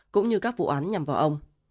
cũng như các vụ án nhằm vào ông